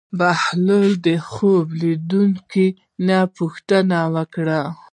بهلول د خوب لیدونکي نه پوښتنه وکړه.